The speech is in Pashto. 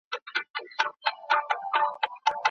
که ونې نه وي نو خاوره ښویېږي.